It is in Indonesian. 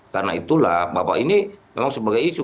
karena itulah bapak ini memang sebagai isu